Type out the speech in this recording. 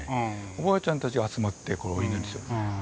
おばあちゃんたちが集まってこうお祈りする。